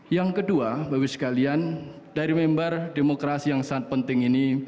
yang kedua bapak ibu sekalian dari member demokrasi yang sangat penting ini